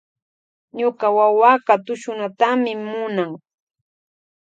Ñuka wawaka tushunatami munan.